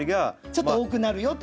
ちょっと多くなるよと。